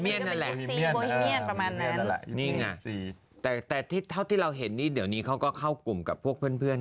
เนี่ยนประมาณนั้นนี่ไงแต่เท่าที่เราเห็นนี่เดี๋ยวนี้เขาก็เข้ากลุ่มกับพวกเพื่อน